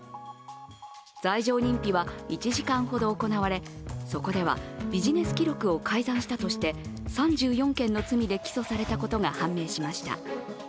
罪状認否は１時間ほど行われ、そこではビジネス記録を改ざんしたとして、３４件の罪で起訴されたことが判明しました。